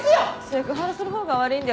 セクハラする方が悪いんだよ。